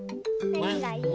なにがいい？